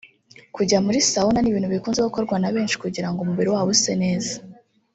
kujya muri sauna ni ibintu bikunze gukorwa na benshi kugira ngo umubiri wabo use neza